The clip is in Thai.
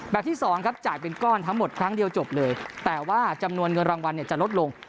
ที่สองครับจ่ายเป็นก้อนทั้งหมดครั้งเดียวจบเลยแต่ว่าจำนวนเงินรางวัลเนี่ยจะลดลง